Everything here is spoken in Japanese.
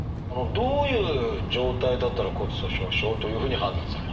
どういう状態だったら骨粗しょう症というふうに判断されるんですか？